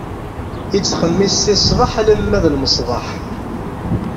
Ittxemmis si ṣṣbeḥ alamma d lmesbeḥ.